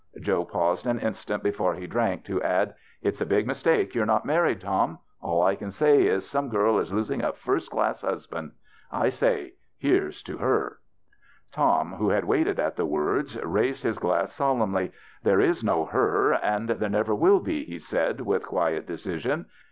Joe paused an instant before he drank to add, " It's a big mistake you're not married, Tom. All I can say is some girl is losing a first class husband. I say here's to herJ" Tom, who had waited at ^the words, raised 3 18 THE BACHELOR'S CHRISTMAS his glass solemnly. *' There is no her and there never will be," he said, with quiet de cision.